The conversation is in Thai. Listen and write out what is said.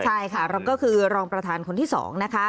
ใช่ค่ะเราก็คือรองประธานคนที่๒นะคะ